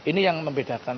ini yang membedakan